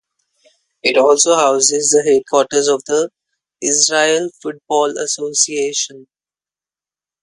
It also houses the headquarters of the Israel Football Association.